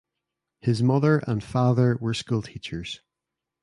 His mother and father were school teachers.